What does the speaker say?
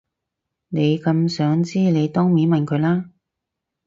你咁想知你當面問佢啦